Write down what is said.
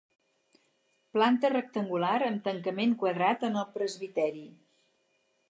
Planta rectangular amb tancament quadrat en el presbiteri.